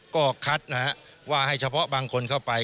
ก็คัดนะฮะว่าให้เฉพาะบางคนเข้าไป